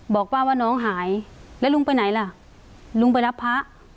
บอกป้าว่าน้องหายแล้วลุงไปไหนล่ะลุงไปรับพระ